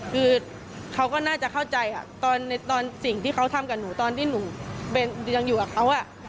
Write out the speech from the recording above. คือเขาก็น่าจะเข้าใจค่ะตอนสิ่งที่เขาทำกับหนูตอนที่หนูยังอยู่กับเขา